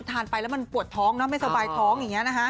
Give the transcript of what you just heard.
ทานไปแล้วมันปวดท้องไม่สบายท้อง